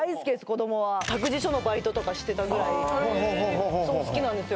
子どもは託児所のバイトとかしてたぐらいほうほうそう好きなんですよ